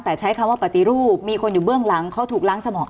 แต่ใช้คำว่าปฏิรูปมีคนอยู่เบื้องหลังเขาถูกล้างสมอง